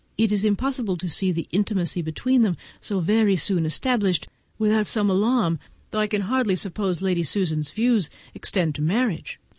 It is impossible to see the intimacy between them so very soon established without some alarm, though I can hardly suppose that Lady Susan's plans extend to marriage.